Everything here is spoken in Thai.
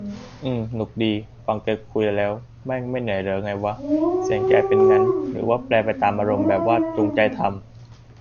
อืม หนุกดี ฟังแกคุยแล้ว แม่งไม่เหนื่อยเหรอไงวะ เสียงแกเป็นงั้น ? หรือว่าแปรไปตามอารมณ์ ? แบบว่าจงใจทำ ?